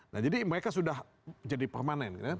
nah jadi mereka sudah jadi permanen